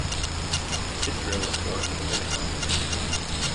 Israel was born in Dominica.